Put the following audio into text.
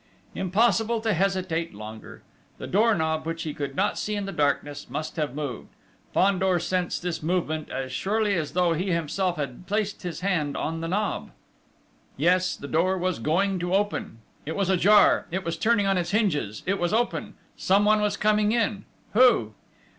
Impossible to hesitate longer! The door knob, which he could not see in the darkness, must have moved.... Fandor sensed this movement as surely as though he himself had placed his hand on the knob.... Yes, the door was going to open!... It was ajar ... it was turning on its hinges it was open.... Someone was coming in.... Who?...